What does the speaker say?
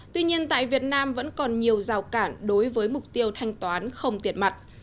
tuy nhiên tại việt nam vẫn còn nhiều rào cản đối với mục tiêu thanh toán không tiền mặt